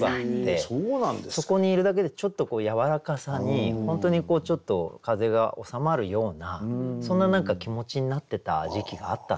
そこにいるだけでちょっとやわらかさに本当にこうちょっと風邪が治まるようなそんな何か気持ちになってた時期があったんですよね。